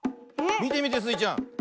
みてみてスイちゃん。